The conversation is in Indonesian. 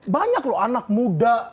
banyak loh anak muda